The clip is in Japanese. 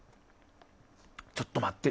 ちょっと待って。